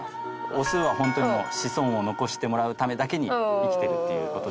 オスは本当にもう子孫を残してもらうためだけに生きてるっていう事で。